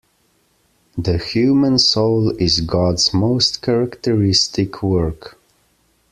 The human soul is God's most characteristic work.